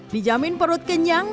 dijamin perut kenyang